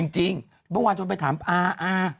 จริงเมื่อวานโทรไปถามอา